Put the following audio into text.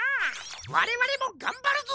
われわれもがんばるぞ！